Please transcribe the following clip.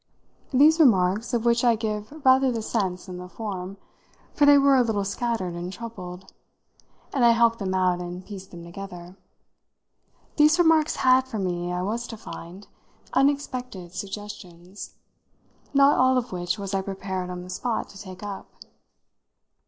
These remarks of which I give rather the sense than the form, for they were a little scattered and troubled, and I helped them out and pieced them together these remarks had for me, I was to find, unexpected suggestions, not all of which was I prepared on the spot to take up.